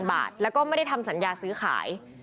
บาทแล้วก็ไม่ได้ทำสัญญาซื้อขาย